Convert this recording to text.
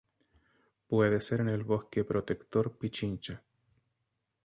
Puede ser en el Bosque Protector Pichincha.